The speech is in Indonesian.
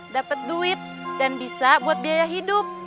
dapat duit dan bisa buat biaya hidup